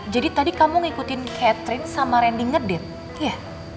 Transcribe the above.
jadi tadi kamu ngikutin catherine sama randy ngedate ya